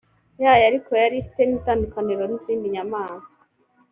yayo ariko yari ifite itandukaniro n izindi nyamaswa